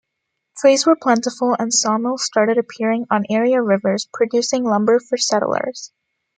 Trees were plentiful and sawmills started appearing on area rivers, producing lumber for settlers.